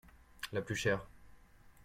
La plus chère.